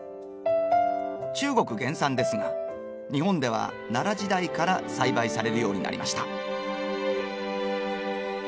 中国原産ですが日本では奈良時代から栽培されるようになりました。